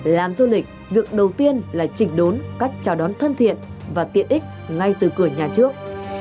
làm du lịch việc đầu tiên là chỉnh đốn cách chào đón thân thiện và tiện ích ngay từ cửa nhà trước